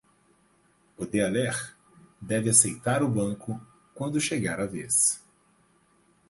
O dealer deve aceitar o banco quando chegar a vez.